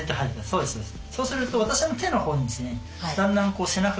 そうですそうです。